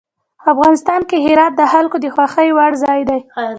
افغانستان کې هرات د خلکو د خوښې وړ ځای دی.